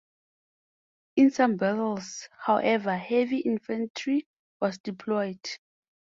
In some battles, however, heavy infantry was deployed.